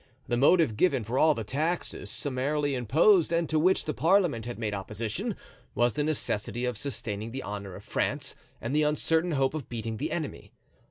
The motive given for all the taxes summarily imposed and to which the parliament had made opposition, was the necessity of sustaining the honor of France and the uncertain hope of beating the enemy.